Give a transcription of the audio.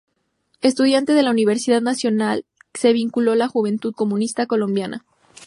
Estudiante de la Universidad Nacional se vinculó a la Juventud Comunista Colombiana.